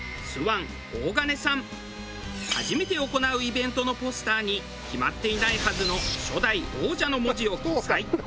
初めて行うイベントのポスターに決まっていないはずの「初代王者」の文字を記載。